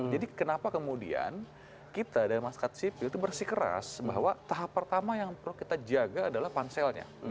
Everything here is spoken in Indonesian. jadi kenapa kemudian kita dari masyarakat sipil itu bersih keras bahwa tahap pertama yang perlu kita jaga adalah panselnya